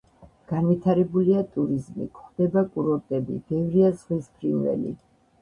განვითარებულია ტურიზმი, გვხვდება კურორტები, ბევრია ზღვის ფრინველი.